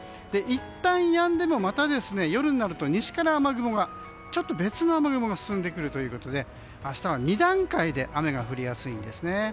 いったんやんでもまた夜になると西から別の雨雲が進んでくるということで明日は、２段階で雨が降りやすいんですね。